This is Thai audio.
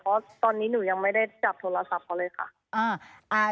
เพราะตอนนี้หนูยังไม่ได้จับโทรศัพท์เขาเลยค่ะ